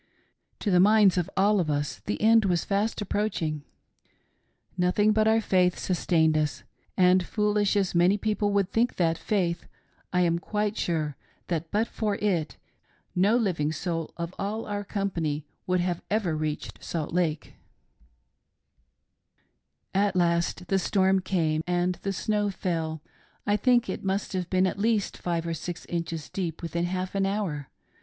To the minds of all of us, the e:nd was fast approaching. Nothing but our faith sustained us ; and foolish as many people would think that faith, I am quite sure, that but for it, no living soul of all our company would have ever reached Salt Lake. OVERTAKEN BY THE SNOW STORM. 22^ "At last the storm came, and the snow fell — I think it must have been at least five or six inches deep within half an hour.